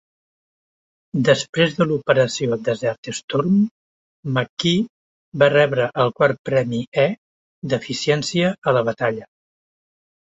Després de l'operació Desert Storm, McKee va rebre el quart premi "E" d'eficiència a la batalla.